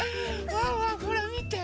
ワンワンほらみて。